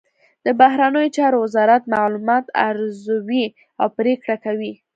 د بهرنیو چارو وزارت معلومات ارزوي او پریکړه کوي